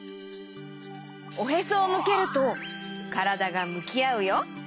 おへそをむけるとからだがむきあうよ。